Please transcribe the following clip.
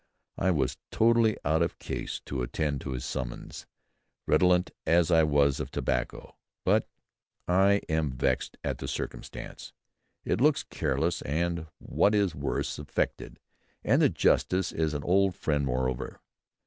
I was totally out of case to attend his summons, redolent as I was of tobacco. But I am vexed at the circumstance. It looks careless, and, what is worse, affected; and the Justice is an old friend moreover."